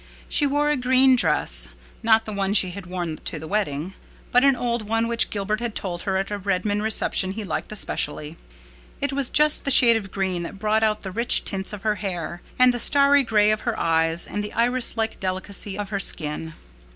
She wore a green dress—not the one she had worn to the wedding, but an old one which Gilbert had told her at a Redmond reception he liked especially. It was just the shade of green that brought out the rich tints of her hair, and the starry gray of her eyes and the iris like delicacy of her skin.